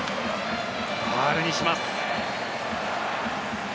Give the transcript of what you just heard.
ファウルにします。